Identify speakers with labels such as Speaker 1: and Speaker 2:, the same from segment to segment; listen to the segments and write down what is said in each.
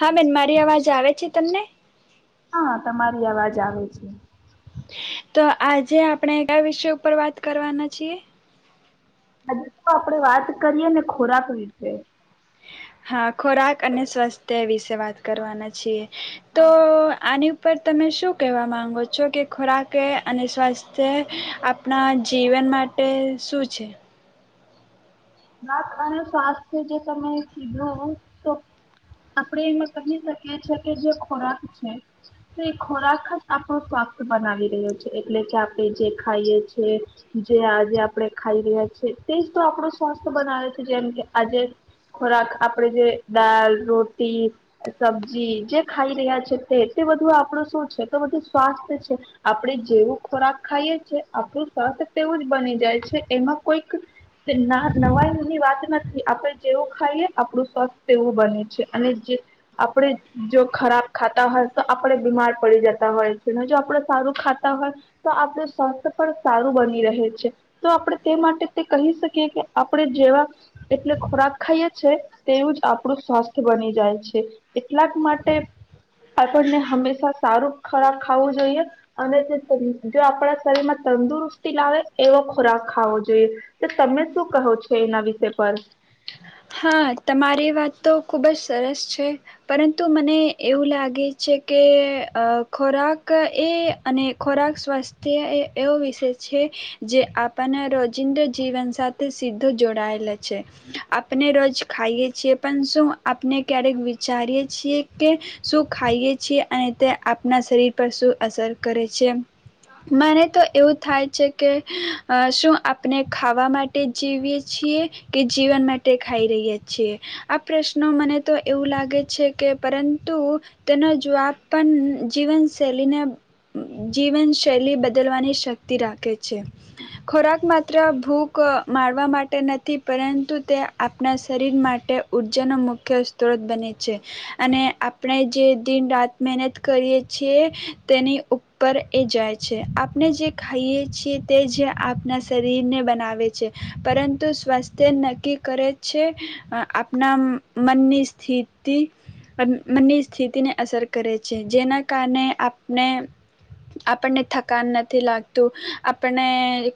Speaker 1: હા બેન મારી અવાજ આવે છે તમને.
Speaker 2: હા તમારી અવાજ આવે છે.
Speaker 1: તો આજે આપણે કયા વિષય ઉપર વાત કરવાના છીએ.
Speaker 2: હજી તો આપડે વાત કરીએ ને ખોરાક વિશે.
Speaker 1: હાં ખોરાક અને સ્વસ્થ્ય વિશે. વાત
Speaker 2: હા
Speaker 1: કરવાના છીએ તો
Speaker 2: હા
Speaker 1: આની પર તમે શું કહેવા માંગો છો, કે ખોરાક અને સ્વાસ્થ્ય આપણાં જીવન માટે શું છે?
Speaker 2: રાત અને સ્વાસ્થ્ય જે તમે કીધો તો આપડે એમાં કહી શકીએ છે કે જે ખોરાક છે, તો એ ખોરાક જ આપણો સ્વાસ્થ્ય બનાવી રહ્યો છે્, એટલે કે આપણે જે ખાઈએ છે, જે આજે આપણે ખાઈ રહ્યા છીએ, તેજ તો આપડુ સ્વસ્થ બનાવે છે, જેમકે આજે ખોરાક આપડે જે દાલ, રોટી, સબજી જે ખાઈ રહ્યા છે તે તે બધું આપડુ શું છે તો બધું સ્વાસ્થ્ય છે. આપડે જેવું ખોરાક ખાઈએ છે, આપડુ સ્વાસ્થ્ય તેવુંજ બની જાય છે, એમાં કોઈક ના નવાઈ ની વાત નથી. આપડે જેવું ખાઈએ આપડુ સ્વાસ્થ તેવું બને છે અને જે આપડે જો ખરાબ ખાતા હોય, તો આપડે બીમાર પડી જતા હોય છે અને જો આપડે સારું ખાતા હોય, તો આપડુ સ્વાસ્થ પણ સારું બની રહે છે, તો આપડે તે માટે તે કહી શકીએ કે આપડે જેવા એટલે ખોરાક ખાઈએ છે, તેવુંજ આપડુ સ્વાસ્થ બની જાય છે, એટલાક માટે આપણને હંમેશા સારું ખોરાક ખાવું જોઈએ અને જો આપડા શરીરમાં તંદુરસ્તી લાવે એવો ખોરાક ખાવો જોઈએ. તો તમે શું કહો છો, એના વિષય પર?
Speaker 1: હા, તમારી વાત તો ખૂબજ સરસ છે, પરંતુ મને એવું લાગે છે કે ખોરાક એ અને ખોરાક સ્વાસ્થ્ય એ એવો વિષય છે, જે આપણાને રોજિંદા જીવન સાથે સીધો જોડાયેલા છે. આપણે રોજ ખાઈએ છીએ પણ શું આપને ક્યારેક વિચારીએ છીએ કે શું ખાઈએ છીએ અને તે આપના શરીર પર શું અસર કરે છે. મને તો એવું થાય છે, કે શું આપણે ખાવા માટે જીવીએ છીએ કે જીવન માટ ટે ખાઈ રહીએ છીએ. આ પ્રશ્નો મને તો એવું લાગે છે, કે પરંતુ તેનો જવાબ પણ જીવનશૈલીને જીવનશૈલી બદલવાની શક્તિ રાખે છે. ખોરાક માત્ર ભૂખ મારવા માટે નથી, પરંતુ તે આપણાં શરીર માટે ઊર્જાનો મુખ્ય સ્ત્રોત બને છે. અને આપણે જે દિન રાત મહેનત કરીએ છીએ, તેની ઉપર એ જાય છે. આપણે જે ખાઈએ છીએ તે જ આપણા શરીરને બનાવે છે, પરંતુ સ્વાસ્થ્ય નક્કી કરે છે, આપણા મનની સ્થિતિ મનની સ્થિતિ ને અસર કરે છે. જેના કારણે આપને આપણને થકાન નથી લાગતું, આપને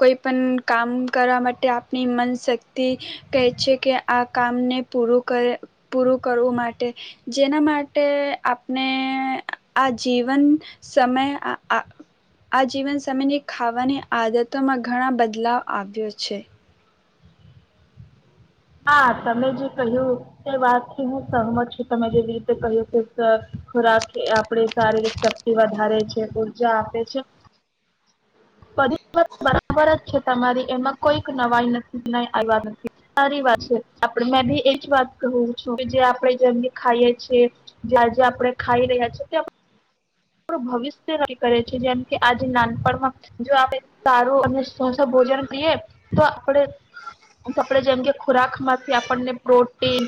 Speaker 1: કોઈ પણ કામ કરવા માટે આપણી મન શક્તિ કહે છે કે, આ કામને પૂરું કરે પૂરું કરવું માટે જેના માટે આપણે આ જીવન સમય આ જીવન સમયની ખાવાની આદતોમાં ઘણાં બદલાવ આવ્યો છે‌.
Speaker 2: હા, તમે જે કહ્યું એ વાતથી હું સહમત છું. તમે જેવી રીતે કહ્યું કે ખોરાક આપણે શારીરિક શક્તિ વધારે છે, ઉર્જા આપે છે બધી વાત બરાબર જ છે. તમારી એમાં કોઈક નવાઈ નથી આવ્યા નથી સારી વાત છે મેં બી એજ વાત કુંહુ છું કે જે આપડે જેમી ખાઈએ છે, જ્યા જ આપડે ખાઈ રહ્યા છે આપ ભવિષ્ય નક્કી કરે છે જેમ કે, આજે નાનપણમાં જો આપડે સારું અને સ્વાસ્થ ભોજન કરીએ તો આપડે આપડે જેમકે ખોરાક માંથી આપણને પ્રોટીન,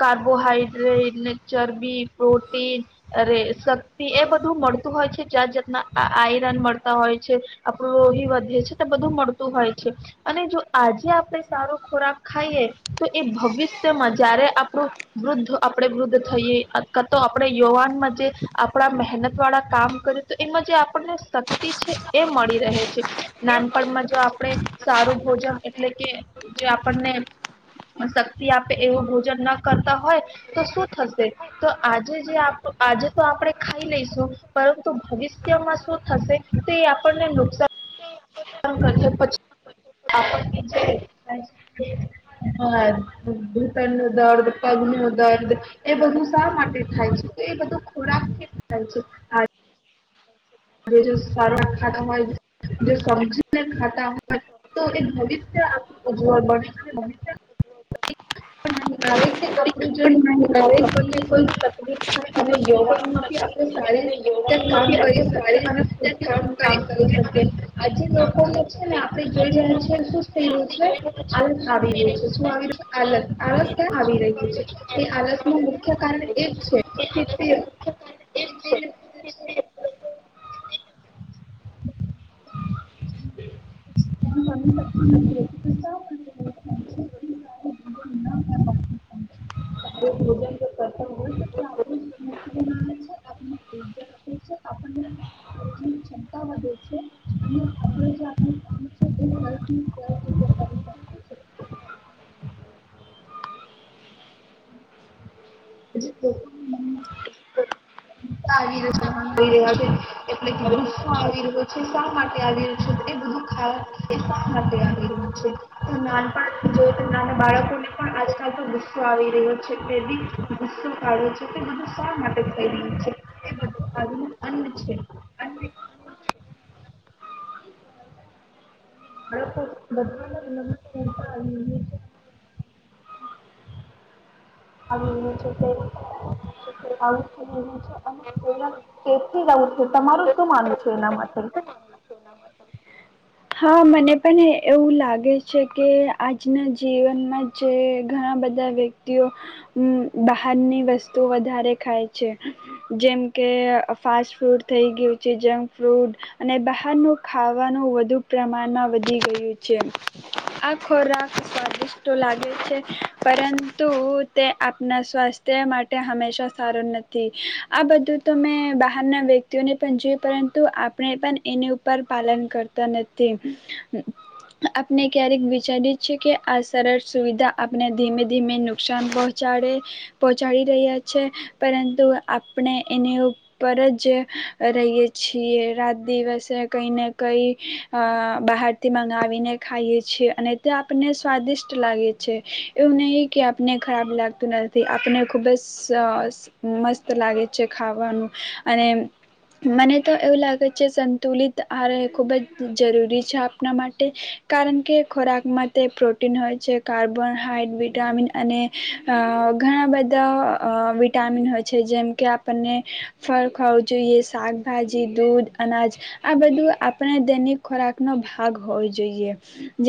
Speaker 2: કાર્બોહાઈડ્રેટ, ચરબી, પ્રોટીન અરે શક્તિ એ બધ ધુ મળતું હોય છે, જાત જાતના આયરન મળતા હોય છે, આપણું લોહી વધે છે તે બધું મળતું હોય છે, અને જો આજે આપણે સારો ખોરાક ખાઈએ, તો એ ભવિષ્યમાં જયારે આપડુ વૃદ્ધ આપડે વૃદ્ધ થઈએ, કા તો આપડે યુવાનમાં જે આપડા મહેનત વાળા કામ કરીએ, તો એમાં જે આપણને શક્તિ છે, એ મળી રહે છે. નાનપણમાં જો આપણે સારું ભોજન એટલે કે, જે આપણને શક્તિ આપે એવું ભોજન ના કરતા હોય તો શું થશે, તો આજે જે આજે તો આપડે ખાઈ લઈશ શું, પરંતુ ભવિષ્યમાં શું થશે, તે આપણને નુકસાન નુકસાન કરશે, પછી આપણે ઘુંટણ નો દર્દ, પગ નો દર્દ એ બધું શા માટે થાય છે, એ બધું ખોરાક થી થાય છે. [inaudible] સવાર ખાતા હોય સમજીને ખાતા હોય તો એ ભવિષ્ય ઉજ્જવળ બનશે [inaudible] આપડુ જે
Speaker 1: એક
Speaker 2: આપને કોઈ તકલીફ થાય અને યુવા માંથી આપણે સારી રીતે કામ કરી શકીએ.
Speaker 1: સારી
Speaker 2: અને
Speaker 1: રીતે કામ કરી શકે અને
Speaker 2: જે લોકો છે ને આપડે જોઈ રહ્યા છીએ [inaudible] શું થઈ રહ્યું છે આળસ આવી રહ્યું છે, શું આવી રહ્યું છે આળસ આળસ ક્યાં આવી રહ્યું છે એ આળસ નું મુખ્ય કારણ એ છે કે તે [inaudible] [inaudible] ક્ષમતા વધે છે, અને અને જે આપણું કામ છે એ આપણે સરળતાથી કરી શકીએ છીએ. [unintelligible] રહ્યા છે, એટલે કે ગુસ્સો આવી રહ્યો છે, શા માટે આવી રહ્યો છે? એ બધું ખા શા માટે આવી રહ્યું છે તો નાનપણ જો તો નાના બાળકોને પણ આજકાલ તો ગુસ્સો આવી રહ્યો છે. પણ‌ ગુસ્સો કરે‌ છે, તે બધું શા માટે? [unintelligible] બધાટ આવી [unintelligible] આવી ગું છે. તે આવું થ છેથી જવું છે. તમારું શું માનવુ છે એના માટે?
Speaker 1: હાં મને પણ એવું લાગે છે કે, આજના જીવનમાં જે ઘણાં બધાં વ્યક્તિઓ બહારની વસ્તુ વધારે ખાય છે, જેમ કે ફાસ્ટ ફૂડ થઈ ગયું છે, જંક ફ્રુડ અને બહારનું ખાવાનું વધુ પ્રમાણમાં વધી ગયું છે. આ ખોરાક સ્વાદિષ્ટ તો લાગે છે, પરંતુ તે આપણા સ્વાસ્થ્ય માટે હંમેશા સારો નથી આ બધું તો મેં બહારના વ્યક્તિઓને પણ જોય પરંતુ આપણે પણ એની ઉપર પાલન કરતા ન આપણે ક્યારેક વિચારીએ છીએ કે આ સરળ સુવિધા આપને ધીમે ધીમે નુકસાન પહોચાડે પહોચાડી રહ્યા છે, પરંતુ આપણે એની ઉપર જ રહીએ છીએ રાત, દિવસે કઈને કઈ બહારથી મંગાવીને ખાઈએ છીએ અને તે આપને સ્વાદિષ્ટ લાગે છે. એવું નહીં કે આપને ખરાબ લાગતું નથી. આપને ખૂબ જ મસ્ત લાગે છે ખાવાનું, અને મને તો એવું લાગે છે સંતુલિત આહારે ખૂબ જ જરૂરી છે. આપણા માટે કારણ કે ખોરાકમાં તે પ્રોટીન હોય છે, કાર્બોનહાઈડ, વિટામિન અને ઘણાં બધાં બધા વિટામિન હોય છે. જેમ કે આપણને ફળ ખાવું જોઈએ, શાકભાજી, દૂધ, અનાજ આ બધું આપણે ખોરાક નો ભાગ હોવો જોઈએ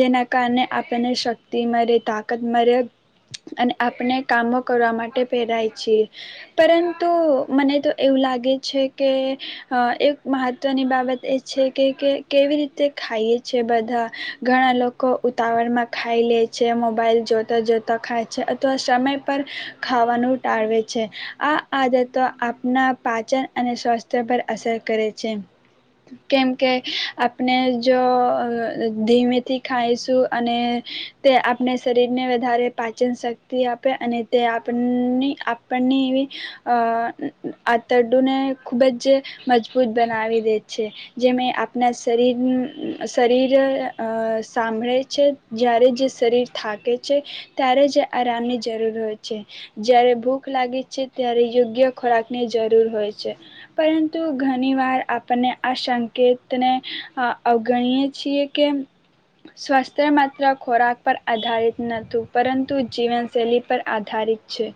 Speaker 1: જેના કારણે આપણને શક્તિ મળે તાકાત મળે અને આપણે કામો કરવા માટે પેરાય છીએ, પરંતુ મને તો એવું લાગે છે કે એક મહત્વની બાબત એ છે કે કે કેવી રીતે ખાઈએ છે બધાં ઘણાં લોકો ઉતાવળમાં ખાઈ લે છે, મોબાઈલ જોતા જોતા ખાય છે, અથવા સમય પર ખાવાનું ટાળવે છે, આ આદતો આપના પાચન અને સ્વાસ્થ્ય પર અસર કરે છે. કેમકે આપણે જો ધીમેથી ખાઈશું અને તે આપણે શરીરને વધારે પાચનશક્તિ આપે અને તે આપણની આપણની એવી આતરડુને ખૂબ જ મજબૂત બનાવી દે છે, જેમ આપ આપના શરીર શરીર સાંભળે છે, જ્યારે જે શરીર થાકે છે, ત્યારે જ આરામની જરૂર હોય છે. જ્યારે ભૂખ લાગે છે ત્યારે યોગ્ય ખોરાકની જરૂર હોય છે, પરંતુ ઘણીવાર આપણને આ સંકેત અવગણીએ છીએ કે સ્વાસ્થ્ય માત્ર ખોરાક પર આધારિત નતું પરંતુ જીવનશૈલી પર આધારિત છે.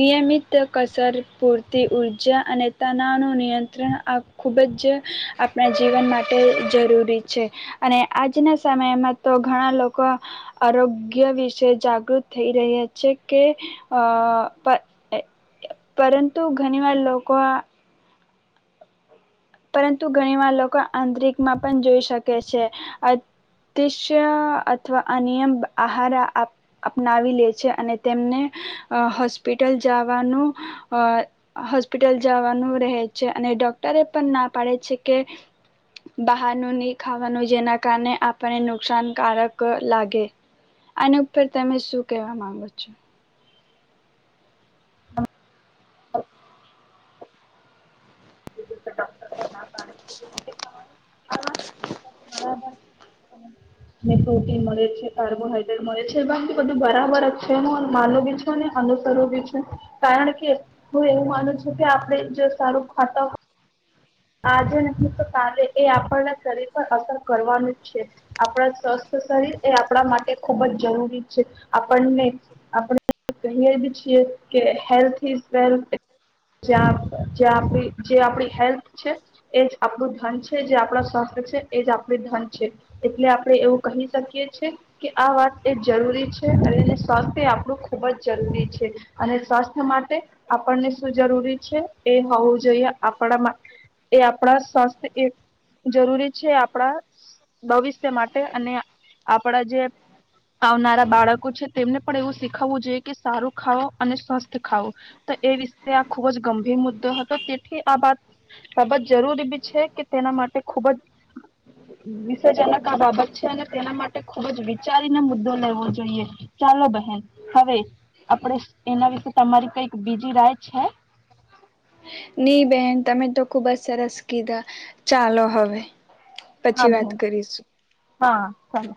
Speaker 1: નિયમિત કસર, પૂરતી ઉર્જા અને તનાવનું‌ નિયંત્રણ આ ખુબ જ આપણાં જીવન માટે જરૂરી છે અને આજના સમયમાં તો ઘણાં લોકો આરોગ્ય વિશે જાગૃત થઈ રહ્યા છે કે, અ પરંતુ ઘણી વાર લોકો પરંતુ ઘણીવાર લોકો આંતરિકમાં પણ જોઈ શકે છે. અતિશ્ય અથવા અનિયમ આહાર અપનાવી લે છે અને તેમને હોસ્પિટલ જવાનું હોસ્પિટલ જવાનું રહે છે અને ડોક્ટરે પણ ના પાડે છે કે, બહારનું નહી ખાવાનું જેના કારણે આપણને નુકસાનકારક લાગે આની ઉપર તમે શું કહેવા માંગો છો?
Speaker 2: પર ના પાડે છે તે નથી ખાવાનું આ વાત બધી બરાબર છે. ને પ્રોટીન મળે છે, કાર્બોહાઈડ્રેટ મળે છે, બા બધું બરાબર જ છે હું માનું બી છું ને અનુસરું બી છું. કારણ કે હું એવું માનું છું કે આપડ જો સારું ખાતા હો આજે ન તો કાલે એ આપના શરીર પર અસર કરવાનું જ છે, આપણા સ્વસ્થ શરીર એ આપણા માટે ખુબ જ જરૂરી છે આપણને આપણે કહીએ છીએ કે હેલ્થ ઇઝ વેલ્થ. જ્યા જ્યાં આપ જે આપડી હેલ્થ છે એ જ આપણું ધન છે જે આપણા સ્વાસ્થ્ય છે એ જ આપડ ધન છે એટલે આપણે એવું કહી શકીએ છે કે, આ વાત એ જરૂરી છે અને સ્વાસ્થ્ય આપણું ખૂબ જ જરૂરી છે અને સ્વાસ્થ્ય માટે આપણને એ હોવું જોઈએ આપણા એ આપણા સ્વસ્થ એ જરૂરી છે આપણા ભવિષ્ય માટે અને આપડા જે આવનારા બાળકો છે તેમને પણ એવું શીખવવું જોઈએ કે સારું ખાવો અને સ્વસ્થ ખાવો તો એ. આ ખુબ જ ગંભીર મુદ્દો હતો તેથી આ બાત બાબત જરૂરી બી છે કે તેના માટે ખુબ જ વિષયજનક આ બાબત છે અને તેના માટે ખુબ જ વિચારીને મુદ્દો લેવો જોઈએ ચાલો બહેન હવે આપણે એના વિશે તમારી કઈક બીજી રાઈટ. છે.
Speaker 1: નઈ બેન તમે તો ખુબ જ સરસ કીધા ચાલો હવે.
Speaker 2: હા
Speaker 1: પછી વાત
Speaker 2: બહેન
Speaker 1: કરીશું.
Speaker 2: હા ચાલ.